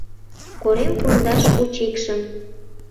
Корем пундаш учикшым